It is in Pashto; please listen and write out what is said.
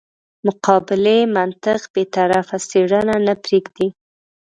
مقابلې منطق بې طرفه څېړنه نه پرېږدي.